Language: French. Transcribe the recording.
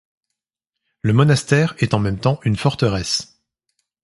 Le monastère est en même temps une forteresse.